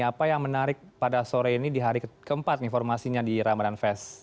apa yang menarik pada sore ini di hari keempat informasinya di ramadan fest